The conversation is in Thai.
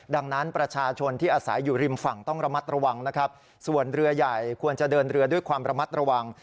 ดังนั้นประชาชนที่อาศัยอยู่ริมฝั่งต้องระมัดระวังนะครับส่วนเรือใหญ่ควรจะเดินเรือด้วยความระมัดระวัง